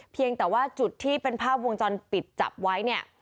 เพียงแต่ว่าจุดที่เป็นภาพวงจรปิดจับไว้เนี่ย